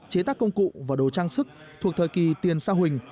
chế tác công cụ và đồ trang sức thuộc thời kỳ tiền sa huỳnh